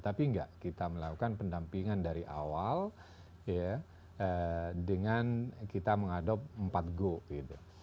tapi enggak kita melakukan pendampingan dari awal ya dengan kita mengadop empat go gitu